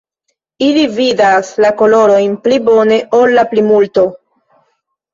Ili vidas la kolorojn pli bone ol la plimulto.